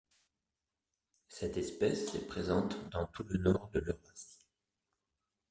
Cette espèce est présente dans tout le nord de l'Eurasie.